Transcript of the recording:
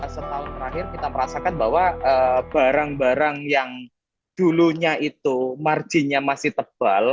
setahun terakhir kita merasakan bahwa barang barang yang dulunya itu marginnya masih tebal